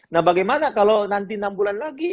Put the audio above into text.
nah bagaimana kalau nanti enam bulan lagi